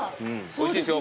おいしいですよ